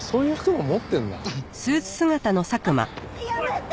やめて！